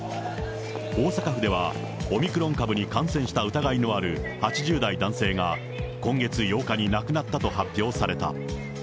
大阪府では、オミクロン株に感染した疑いのある８０代男性が、今月８日に亡くなったと発表された。